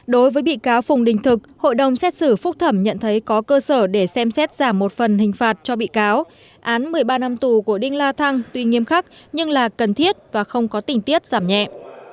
đối với bị cáo phùng đinh thực hội đồng xét xử phúc thẩm nhận thấy có cơ sở để xem xét giảm một phần hình phạt cho bị cáo án một mươi ba năm tù của đinh la thăng tuy nghiêm khắc nhưng là cần thiết và không có tình tiết giảm nhẹ